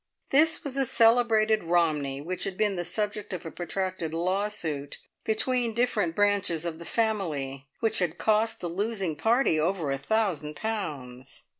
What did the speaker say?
This was a celebrated Romney, which had been the subject of a protracted law suit between different branches of the family, which had cost the losing party over a thousand pounds.